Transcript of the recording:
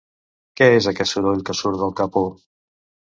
Què és aquest soroll que surt del capó?